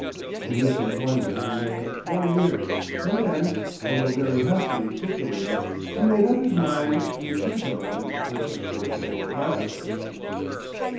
In this employment he remained four years, and then, although very happily situated, he made up his mind to return to London to push his fortune more rapidly.